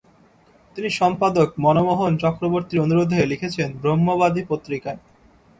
তিনি সম্পাদক মনোমোহন চক্রবর্তীর অনুরোধে লিখেছেন "ব্রহ্মবাদী" পত্রিকায়।